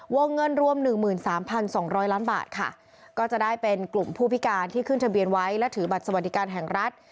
วงเงินรวม๑๓๒๐๐ล้านบาทค่ะก็จะได้เป็นกลุ่มผู้พิการที่ขึ้นทะเบียนไว้และถือบัตรสวัสดิการแห่งรัฐ